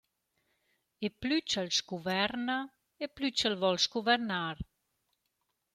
E plü ch’el scuverna e plü ch’el voul scuvernar.